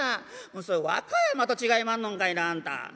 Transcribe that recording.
「それ和歌山と違いまんのんかいなあんた」。